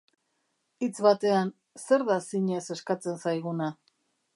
Hitz batean, zer da zinez eskatzen zaiguna?